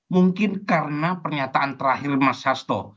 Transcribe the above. mungkin karena pernyataan terakhir mas hasto